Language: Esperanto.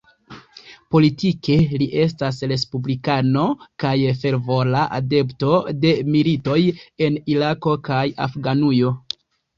Politike li estas respublikano kaj fervora adepto de militoj en Irako kaj Afganujo.